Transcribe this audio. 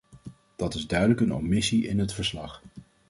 Dat is duidelijk een omissie in het verslag.